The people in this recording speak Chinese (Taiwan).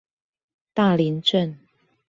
大林鎮